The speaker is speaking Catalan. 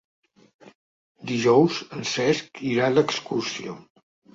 Dijous en Cesc irà d'excursió.